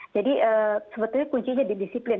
jadi sebetulnya kuncinya di disiplin